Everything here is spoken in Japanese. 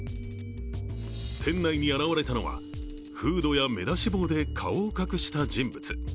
店内に現れたのはフードや目出し帽で顔を隠した人物。